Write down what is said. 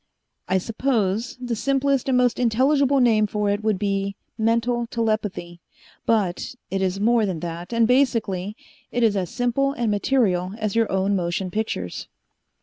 I suppose the simplest and most intelligible name for it would be mental telepathy. But it is more than that, and basically it is as simple and material as your own motion pictures."